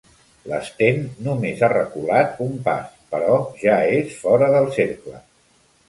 L'Sten només ha reculat un pas, però ja és fora del cercle.